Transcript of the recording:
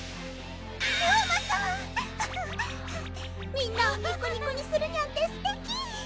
みんなをニコニコにするニャんてすてき！